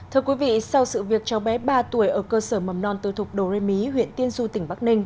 thưa quý vị sau sự việc cháu bé ba tuổi ở cơ sở mầm non tư thuộc đồ rê mí huyện tiên du tỉnh bắc ninh